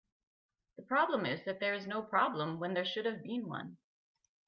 The problem is that there is no problem when there should have been one.